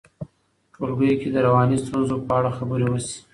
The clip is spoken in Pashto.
ټولګیو کې د رواني ستونزو په اړه خبرې وشي.